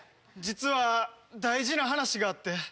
実は大事な話があって。